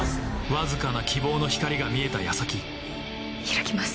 わずかな希望の光が見えた矢先開きます。